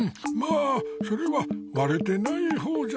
あそれはわれてないほうじゃろうなぁ。